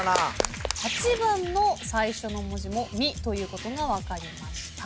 ８番の最初の文字も「み」ということが分かりました。